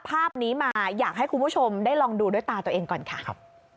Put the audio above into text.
ภาพนี้มาอยากให้คุณผู้ชมได้ลองดูด้วยตาตัวเองก่อนค่ะ